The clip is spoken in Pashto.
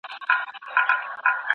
موږ باید د څېړونکو قدر وکړو.